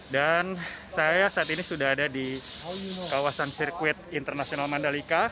dan saya saat ini sudah ada di kawasan sirkuit internasional mandalika